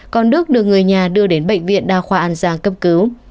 còn đức được người nhà đưa đến bệnh viện đa khoa an giang cấp cứu